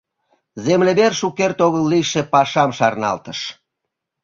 Землемер шукерте огыл лийше пашам шарналтыш.